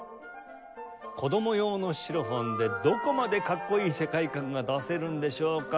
子ども用のシロフォンでどこまでかっこいい世界観が出せるんでしょうか。